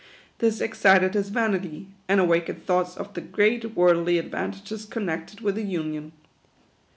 This ex cited his vanity, and awakened thoughts of the great worldly advantages connected with a union.